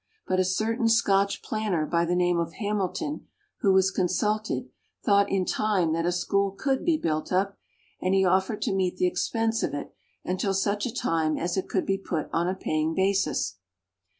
But a certain Scotch planter by the name of Hamilton, who was consulted, thought in time that a school could be built up, and he offered to meet the expense of it until such a time as it could be put on a paying basis.